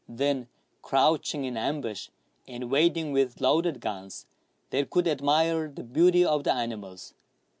Then, crouching in ambush, and wait | ing with loaded guns, they could admire the beauty of the animals.